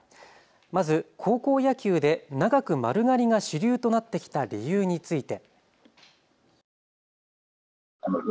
まず高校野球で長く丸刈りが主流となってきた理由について。